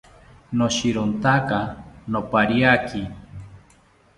Noshirontaka nopariaki